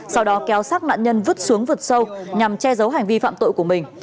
sau đó kéo sát nạn nhân vứt xuống vực sâu nhằm che giấu hành vi phạm tội của mình